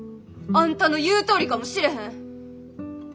あんたの言うとおりかもしれへん。